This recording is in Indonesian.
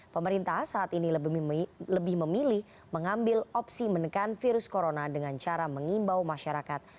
pemerintah saat ini lebih memilih mengambil opsi menekan virus corona dengan cara mengimbau masyarakat